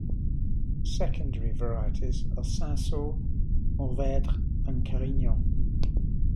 Secondary varieties are Cinsault, Mourvedre and Carignan.